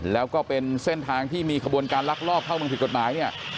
แล้วก็เป็นเส้นทางที่มีขบวนการลักลอบเข้าเมืองผิดกฎหมายเนี่ย